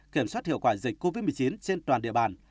kiểm soát hiệu quả dịch covid một mươi chín trên toàn địa bàn